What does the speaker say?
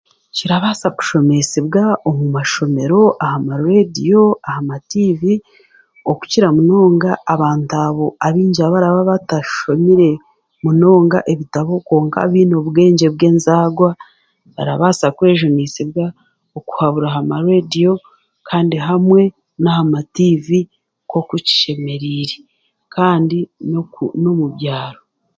Kirabaasa kushomeesebwa omu mashomero aha mareediyo, aha matiivi, okukira munonga abantu abo abaraba batashomire, munonga ebitabo kwonka baine obwengye bw'enzaarwa, barabaasa kwejuniisibwa kuhabura ha mareediyo kandi hamwe n'aha matiivi nk'oku kishemereire, kandi n'omu byaro.